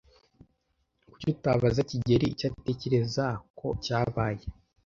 Kuki utabaza kigeli icyo atekereza ko cyabaye?